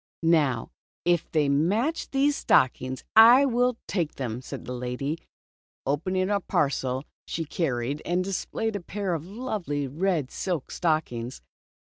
Now if they match these stockings, I will take them," said the lady, opening a parcel she carried and displaying a pair of lovely red silk stockings.